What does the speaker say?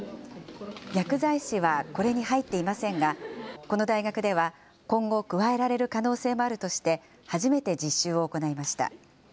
薬剤師はこれに入っていませんが、この大学では、今後、加えられる可能性もあるとして、初めて実習を行いました。